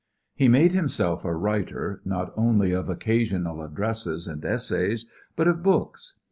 He made himself a writer, not only of occasional addresses and essays, but of books.